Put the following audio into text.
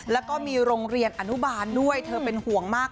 แล้วก็มีโรงเรียนอนุบาลด้วยเธอเป็นห่วงมาก